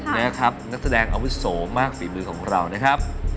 นักแสดงอวุโสมากฝีมือของเรานะครับ